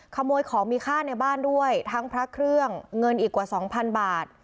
ขโมยของมีค่าในบ้านด้วยทั้งพระเครื่องเงินอีกกว่าสองพันบาท